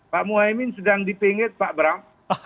pak muhaymin sedang dipingit pak bram